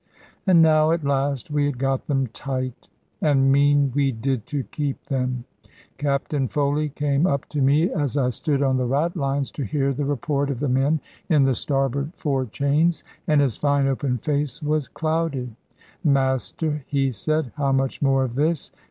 And now at last we had got them tight; and mean we did to keep them. Captain Foley came up to me as I stood on the ratlines to hear the report of the men in the starboard fore chains; and his fine open face was clouded. "Master," he said, "how much more of this?